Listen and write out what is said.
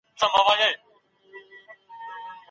د انټرنیټ کارول د ذهن دریڅې پرانیزي.